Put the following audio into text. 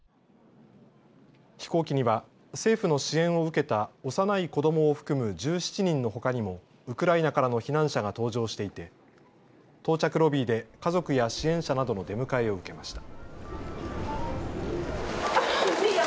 飛行機には、政府の支援を受けた幼い子どもを含む１７人のほかにも、ウクライナからの避難者が搭乗していて、到着ロビーで家族や支援者などの出迎えを受けました。